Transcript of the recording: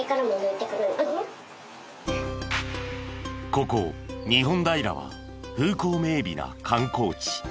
ここ日本平は風光明媚な観光地。